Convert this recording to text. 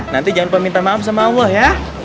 nanti jangan peminta maaf sama allah ya